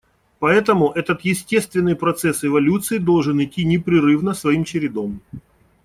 Поэтому этот естественный процесс эволюции должен идти непрерывно своим чередом.